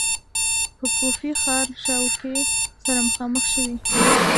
په کوفې ښار شاوخوا کې سره مخامخ شوې.